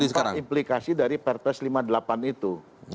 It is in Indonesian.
ini dampak implikasi dari prps lima puluh delapan itu